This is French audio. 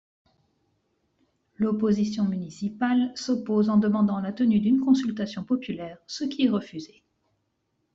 L'opposition municipale s'oppose en demandant la tenue d'une consultation populaire, ce qui est refusé.